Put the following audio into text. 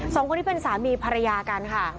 สองคนที่เป็นสามีภรรยากันค่ะ